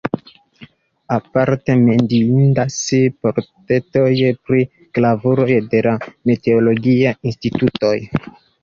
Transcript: Aparte menciindas portretoj pri gravuloj de la meteologia instituto.